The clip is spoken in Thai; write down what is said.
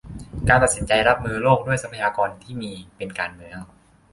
การตัดสินใจรับมือโรคด้วยทรัพยากรที่มี เป็นการเมือง